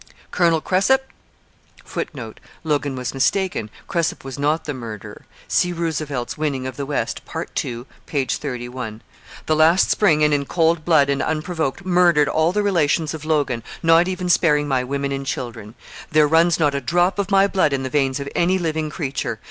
Colonel Cresap, [Footnote: Logan was mistaken: Cresap was not the murderer. See Roosevelt's Winning of the West, part ii, p. 31.] the last spring and in cold blood and unprovoked, murdered all the relations of Logan, not even sparing my women and children. There runs not a drop of my blood in the veins of any living creature.